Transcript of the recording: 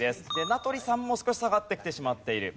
名取さんも少し下がってきてしまっている。